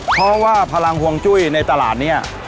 เพราะว่าพลังห่วงจุ้ยในตลาดเนี่ย